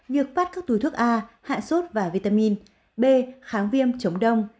việc phát các túi thuốc a hạ sốt và vitamin b kháng viêm chống đông